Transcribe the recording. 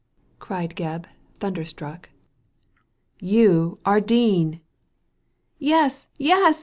cried Gebb, thunderstruck. "You are Dean!" " Yes ! yes !